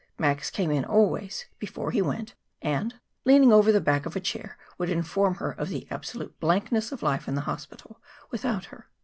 Max came in always, before he went, and, leaning over the back of a chair, would inform her of the absolute blankness of life in the hospital without her.